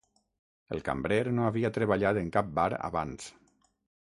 El cambrer no havia treballat en cap bar abans